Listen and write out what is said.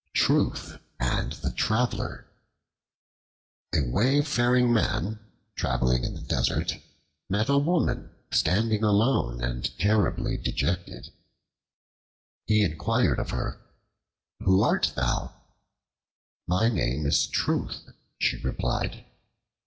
Truth and the Traveler A WAYFARING MAN, traveling in the desert, met a woman standing alone and terribly dejected. He inquired of her, "Who art thou?" "My name is Truth," she replied.